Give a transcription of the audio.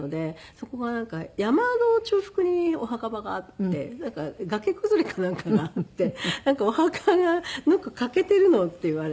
そこが山の中腹にお墓場があって崖崩れかなんかがあって「お墓がなんか欠けているの」って言われて。